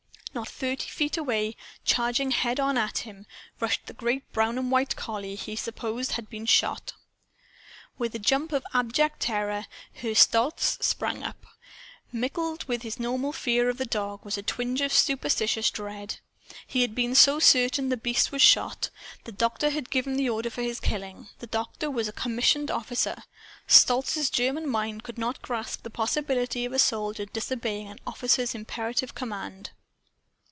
Not thirty feet away, charging head on at him, rushed the great brown and white collie he supposed had been shot. With a jump of abject terror, Herr Stolz sprang up. Mingled with his normal fear of the dog was a tinge of superstitious dread. He had been so certain the beast was shot! The doctor had given the order for his killing. The doctor was a commissioned officer. Stolz's German mind could not grasp the possibility of a soldier disobeying an officer's imperative command.